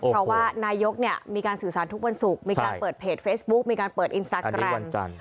เพราะว่านายกมีการสื่อสารทุกวันศุกร์มีการเปิดเพจเฟซบุ๊กมีการเปิดอินสตาแกรม